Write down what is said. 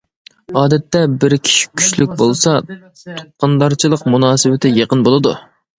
ئادەتتە بىرىكىش كۈچلۈك بولسا، تۇغقاندارچىلىق مۇناسىۋىتى يېقىن بولىدۇ.